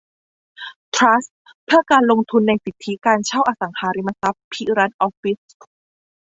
ทรัสต์เพื่อการลงทุนในสิทธิการเช่าอสังหาริมทรัพย์ภิรัชออฟฟิศ